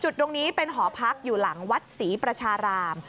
ตรงนี้เป็นหอพักอยู่หลังวัดศรีประชาราม